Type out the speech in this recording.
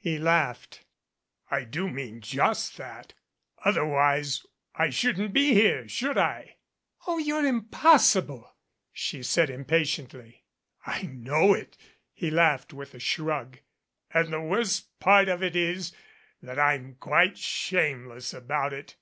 He laughed. "I do mean just that otherwise I shouldn't be here, should I?" "Oh, you're impossible!" she said impatiently. "I know it," he laughed with a shrug, "and the worst of it is that I'm quite shameless about it."